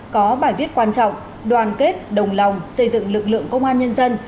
có bài viết quan trọng đoàn kết đồng lòng xây dựng lực lượng công an nhân dân